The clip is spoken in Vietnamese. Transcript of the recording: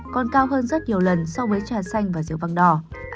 còn cao hơn rất nhiều lần so với trà xanh và rượu vàng đỏ